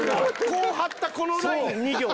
こう貼ったこのラインに。